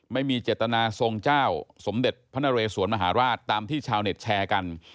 ไม่มีเจตนาทรงเจ้าสมเด็จพระนเรสวนมหาราชตามที่ชาวเน็ตแชร์กัน